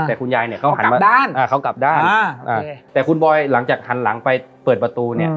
แต่คุณยายเนี่ยเขาหันมาด้านเขากลับด้านแต่คุณบอยหลังจากหันหลังไปเปิดประตูเนี่ย